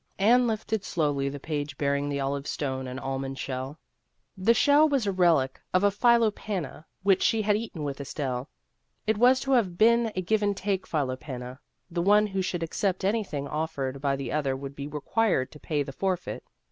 Anne lifted slowly the page bearing the olive stone and almond shell. The shell was the relic of a philopena which she had eaten with Estelle. It was to have been a give and take philopena ; the one who should accept anything offered by the other would be required to pay the forfeit.